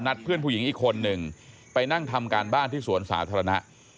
เพื่อนผู้หญิงอีกคนหนึ่งไปนั่งทำการบ้านที่สวนสาธารณะ